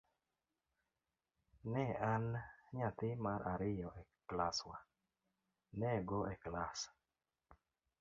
Ne an nyathi mar ariyo e klaswa, ne - go e klas.